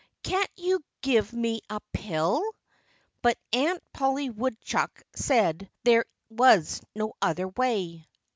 Can't you give me a pill?" But Aunt Polly Woodehuck said there was no other way.